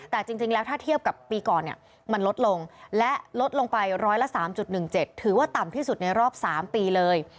แต่จริงแล้วถ้าเทียบกับปีก่อนเนี่ยมันลดลงและลดลงไปร้อยละ๓๑๗ถือว่าต่ำที่สุดในรอบ๓ปีเลย